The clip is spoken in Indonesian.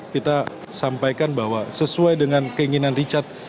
kita sampaikan bahwa sesuai dengan keinginan richard